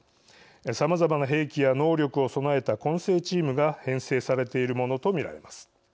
さまざまな兵器や能力を備えた混成チームが編成されているものと見られます。